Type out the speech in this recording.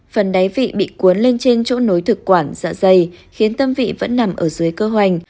phần đáy vị bị cuốn lên trên chỗ nối thực quản dạ dày khiến tâm vị vẫn nằm ở dưới cơ hoành